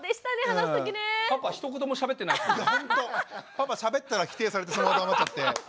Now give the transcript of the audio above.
パパしゃべったら否定されてそのままになっちゃって。